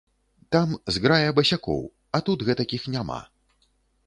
Там зграя басякоў, а тут гэтакіх няма.